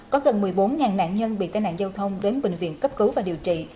có gần một mươi bốn nạn nhân bị tai nạn giao thông đến bệnh viện cấp cứu và điều trị